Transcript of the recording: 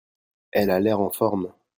Elle a l'air en forme.